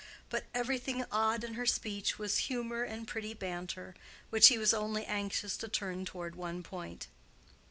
But everything odd in her speech was humor and pretty banter, which he was only anxious to turn toward one point.)